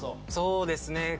そうですね。